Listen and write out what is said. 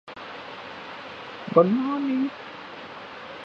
Striking it down is an act, not of judicial judgment, but of political will.